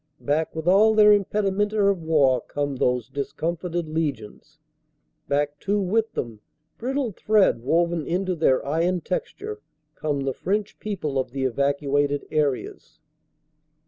Back with all their impedimenta of war come those discomforted legions. Back too with them, brittle thread woven into their iron texture, come the French people of the evacuated areas.